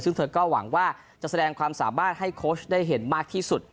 ซึ่งเธอก็หวังว่าจะแสดงความสามารถให้โค้ชได้เห็นมากที่สุด